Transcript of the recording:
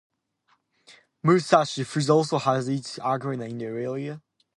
Musashi Foods also has its headquarters in the area.